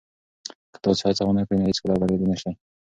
که تاسي هڅه ونه کړئ نو هیڅکله به بریالي نه شئ.